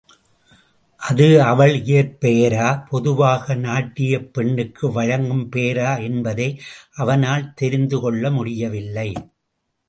அது அவள் இயற் பெயரா பொதுவாக நாட்டியப் பெண்ணுக்கு வழங்கும் பெயரா என்பதை அவனால் தெரிந்து கொள்ள முடியவில்லை.